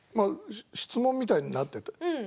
質問みたいになっていて。